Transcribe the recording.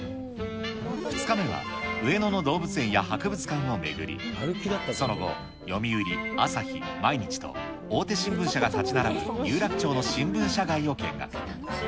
２日目は上野の動物園や博物館を巡り、その後、読売、朝日、毎日と、大手新聞社が建ち並ぶ有楽町の新聞社街を見学。